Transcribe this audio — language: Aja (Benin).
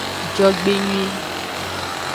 Jogbenyui.